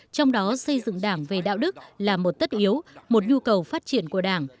trong đó xây dựng đảng về đạo đức là một tất yếu một nhu cầu phát triển của đảng